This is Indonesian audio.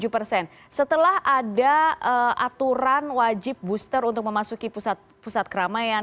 tujuh persen setelah ada aturan wajib booster untuk memasuki pusat keramaian